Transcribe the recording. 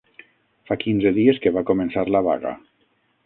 Fa quinze dies que va començar la vaga